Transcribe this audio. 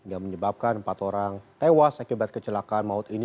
yang menyebabkan empat orang tewas akibat kecelakaan maut ini